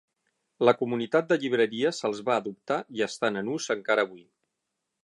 La comunitat de llibreries els va adoptar i estan en ús encara avui.